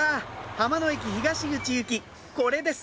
浜野駅東口行きこれです！